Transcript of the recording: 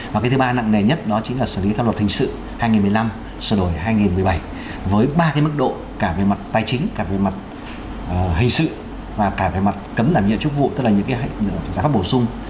và cái thứ ba nặng nề nhất đó chính là xử lý tham luật thình sự hai nghìn một mươi năm sửa đổi hai nghìn một mươi bảy với ba cái mức độ cả về mặt tài chính cả về mặt hình sự và cả về mặt cấm đảm nhiệm chức vụ tức là những cái giải pháp bổ sung